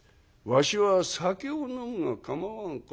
「わしは酒を飲むが構わんか？」。